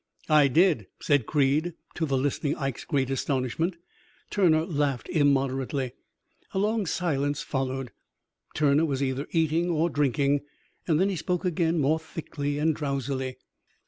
"'I did,' said Creed, to the listening Ike's great astonishment. Turner laughed immoderately. "A long silence followed. Turner was either eating or drinking. Then he spoke again, more thickly and drowsily.